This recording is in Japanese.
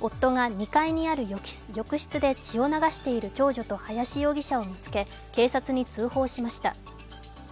夫が２階にある浴室で血を流している長女と林容疑者を見つけ警察に通報しました。